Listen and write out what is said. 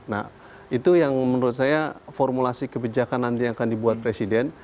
nah itu yang menurut saya formulasi kebijakan nanti yang akan dibuat presiden